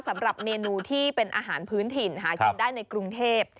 สำหรับเมนูที่เป็นอาหารพื้นถิ่นหากินได้ในกรุงเทพ